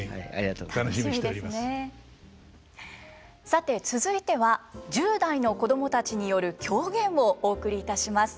さて続いては１０代の子供たちによる狂言をお送りいたします。